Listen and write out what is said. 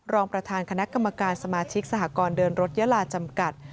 รองประธานคณะกรรมการสมาชิกสหกรณ์เดินรถยาลาจำกัด